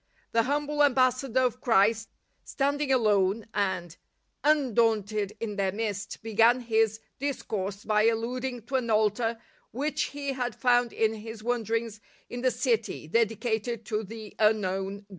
The humble ambassador of Christ, standing alone and un daunted in their midst, began his discourse by alluding to an altar which he had found in his wanderings in the city, dedicated to " the unknown God."